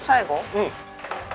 うん。